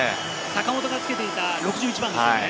坂本がつけていた６１番ですよね。